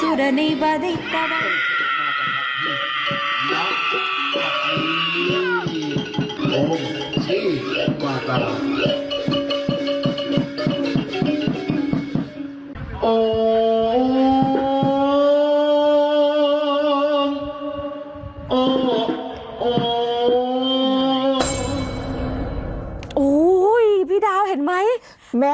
โอ้โหพี่ดาวเห็นไหม